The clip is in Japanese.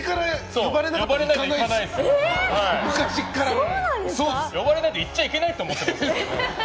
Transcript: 呼ばれないと行っちゃいけないと思ってるので。